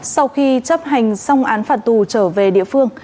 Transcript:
sau khi chấp hành xong án phạt tù trở về địa phương